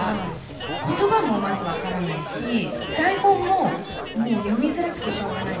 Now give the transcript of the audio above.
言葉もまず分からないし台本ももう読みづらくてしょうがないし